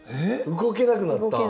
動けなくなった。